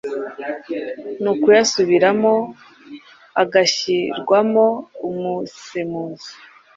nukuyasubiramo agashyirwamo umusemuzi